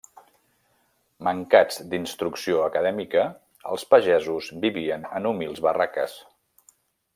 Mancats d'instrucció acadèmica, els pagesos vivien en humils barraques.